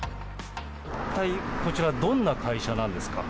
一体、こちら、どんな会社なんですか？